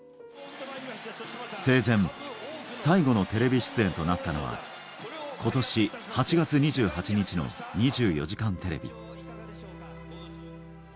生前、最後のテレビ出演となったのは、ことし８月２８日の２４時間テレビ。